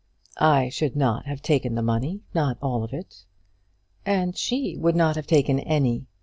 "I should not have taken the money not all of it." "And she would not have taken any.